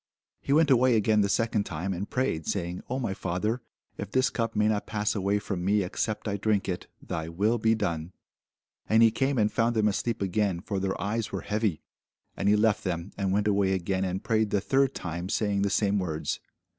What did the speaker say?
He went away again the second time, and prayed, saying, O my Father, if this cup may not pass away from me, except I drink it, thy will be done. And he came and found them asleep again: for their eyes were heavy. And he left them, and went away again, and prayed the third time, saying the same words.